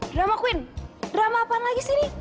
drama queen drama apaan lagi sih ini